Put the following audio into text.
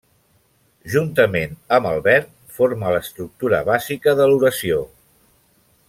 Juntament amb el verb, forma l'estructura bàsica de l'oració.